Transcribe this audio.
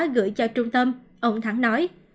gửi cho trung tâm ông thắng nói